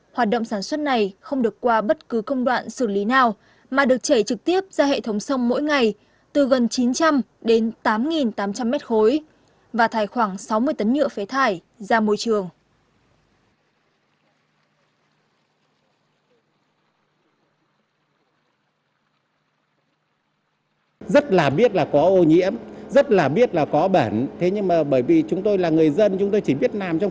hoạt động sản xuất này không được qua bất cứ công đoạn xử lý nào mà được chảy trực tiếp ra hệ thống sông mỗi ngày từ gần chín trăm linh đến tám tám trăm linh mét khối và thải khoảng sáu mươi tấn nhựa phế thải ra môi trường